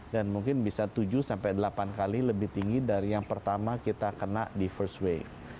dan mungkin bisa tujuh sampai delapan kali lebih tinggi dari yang pertama kita kena di first wave